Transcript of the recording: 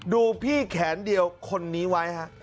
ดูพี่แขนเดียวคนนี้ไว้ฮะ